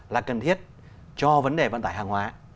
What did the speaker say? là cần thiết cho vấn đề vận tải hàng hóa